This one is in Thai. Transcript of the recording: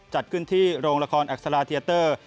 จัดขึ้นที่โรงละครอักษราเทียเตอร์